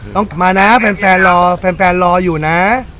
ต้องมานะแฟนรออยู่นะ